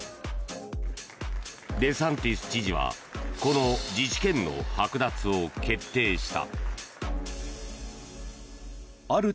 デサンティス知事はこの自治権のはく奪を決定した。